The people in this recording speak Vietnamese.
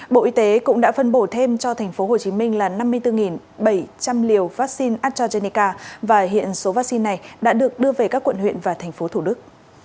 bộ y tế cũng đã phân bổ thêm cho tp hcm là năm mươi bốn bảy trăm linh liều vaccine astrazeneca và hiện số vaccine này đã được đưa về các quận huyện và thành phố thủ đức